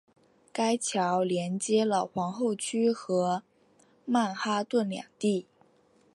该桥连接了皇后区和曼哈顿两地。